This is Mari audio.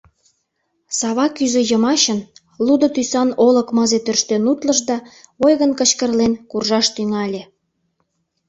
Сава кӱзӧ йымачын лудо тӱсан олык мызе тӧрштен утлыш да, ойгын кычкырлен, куржаш тӱҥале.